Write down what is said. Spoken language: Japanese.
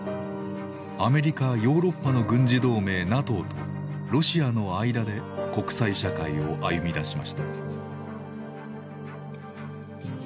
アメリカ・ヨーロッパの軍事同盟ＮＡＴＯとロシアの間で国際社会を歩みだしました。